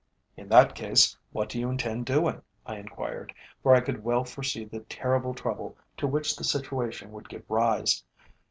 "In that case, what do you intend doing?" I enquired, for I could well foresee the terrible trouble to which the situation would give rise.